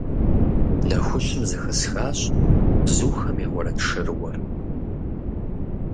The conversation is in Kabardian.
Нэхущым зэхэсхащ бзухэм я уэрэд шэрыуэр.